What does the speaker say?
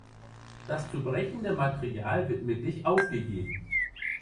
Das zu brechende Material wird mittig aufgegeben.